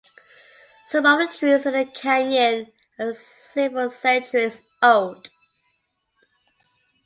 Some of the trees in the canyon are several centuries old.